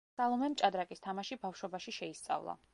სალომემ ჭადრაკის თამაში ბავშვობაში შეისწავლა.